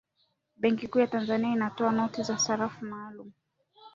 benki kuu ya tanzania inatoa noti na sarafu maalum